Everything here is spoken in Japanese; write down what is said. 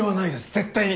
絶対に！